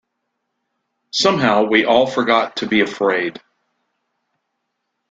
Somehow we all forgot to be afraid.